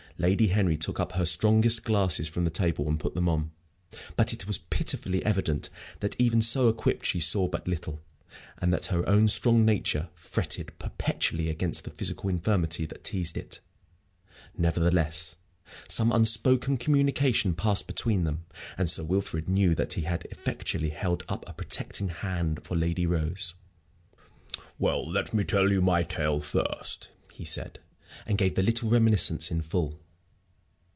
Lady Henry took up her strongest glasses from the table and put them on. But it was pitifully evident that even so equipped she saw but little, and that her strong nature fretted perpetually against the physical infirmity that teased it. Nevertheless, some unspoken communication passed between them, and Sir Wilfrid knew that he had effectually held up a protecting hand for Lady Rose. "Well, let me tell you my tale first," he said; and gave the little reminiscence in full.